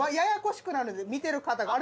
見てる方があれ？